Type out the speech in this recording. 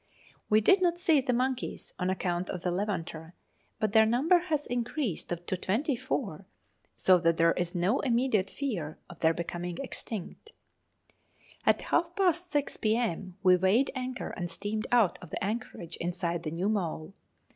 We did not see the monkeys, on account of the Levanter, but their number has increased to twenty four, so that there is no immediate fear of their becoming extinct. [Illustration: Tangier.] At half past six p.m. we weighed anchor and steamed out of the anchorage inside the New Mole.